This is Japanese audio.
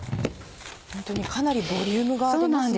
ホントにかなりボリュームがありますね。